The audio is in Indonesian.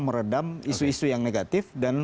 meredam isu isu yang negatif dan